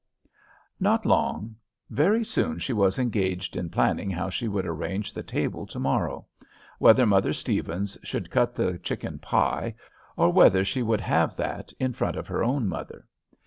Not long. Very soon she was engaged in planning how she would arrange the table to morrow, whether Mother Stevens should cut the chicken pie, or whether she would have that in front of her own mother.